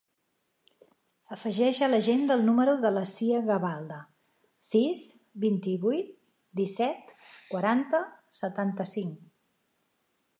Afegeix a l'agenda el número de la Sia Gavalda: sis, vint-i-vuit, disset, quaranta, setanta-cinc.